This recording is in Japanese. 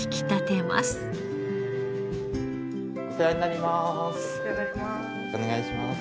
お世話になります。